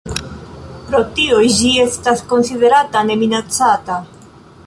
Pro tio ĝi estas konsiderata Ne Minacata.